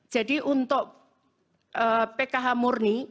jadi untuk pkh murni